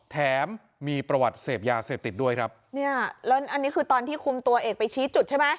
แถมมีประวัติเสพยาเสพติดด้วยครับเนี่ยแล้วอันนี้คือตอนที่คุมตัวเอกไปชี้จุดใช่ไหม